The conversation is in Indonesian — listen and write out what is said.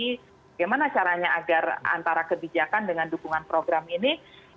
bagaimana caranya agar antara kebijakan dengan dukungan program ini